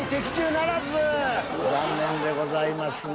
残念でございますね。